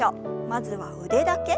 まずは腕だけ。